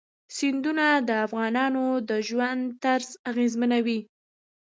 سیندونه د افغانانو د ژوند طرز اغېزمنوي.